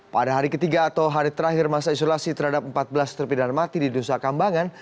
pada hari ketiga atau hari terakhir masa isolasi terhadap empat belas terpidana mati di nusa kambangan